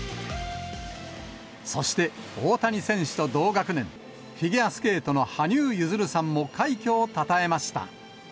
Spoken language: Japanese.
そして、大谷選手と同学年、フィギュアスケートの羽生結弦さんも快挙をたたえました。